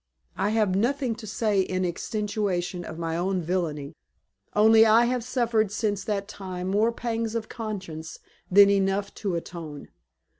I have nothing to say in extenuation of my own villainy, only I have suffered since that time more pangs of conscience than enough to atone.